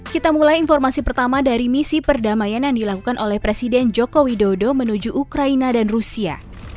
kita mulai informasi pertama dari misi perdamaian yang dilakukan oleh presiden joko widodo menuju ukraina dan rusia